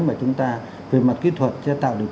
mà chúng ta về mặt kỹ thuật sẽ tạo được